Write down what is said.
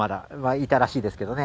いたらしいですけど、前。